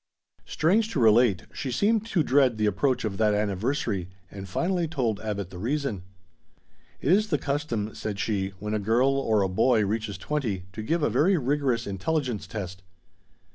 Strange to relate, she seemed to dread the approach of that anniversary, and finally told Abbot the reason. "It is the custom," said she, "when a girl or a boy reaches twenty, to give a very rigorous intelligence test.